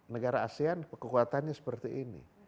negara asean kekuatannya seperti ini